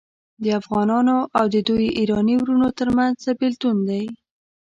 د افغانانو او د دوی ایراني وروڼو ترمنځ څه بیلتون دی.